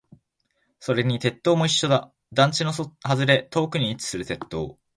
それに鉄塔も一緒だ。団地の外れ、遠くに位置する鉄塔。